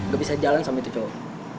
gabisa jalan sama itu cowok